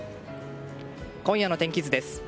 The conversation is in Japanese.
今夜の天気図です。